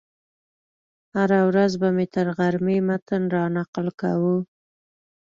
هره ورځ به مې تر غرمې متن رانقل کاوه.